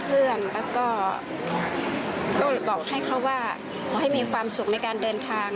ต้องบอกให้เขาว่าฝอให้มีความสุขในการเดินทาง